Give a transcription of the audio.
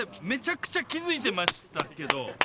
めちゃくちゃ気づいてましたけど。